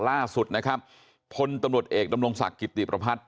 ล่าสุดนะครับพลตำรวจเอกดำรงศักดิ์กิติประพัฒน์